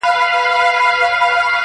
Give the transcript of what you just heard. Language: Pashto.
درد به مـې په ټـــــــــــنډه خامخا لګي